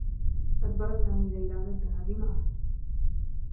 أجبر سامي ليلى على الذّهاب معه.